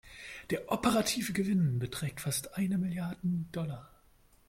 Der operative Gewinn beträgt fast eine Milliarde Dollar.